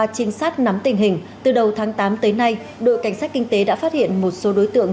trinh sát nắm tình hình từ đầu tháng tám tới nay đội cảnh sát kinh tế đã phát hiện một số đối tượng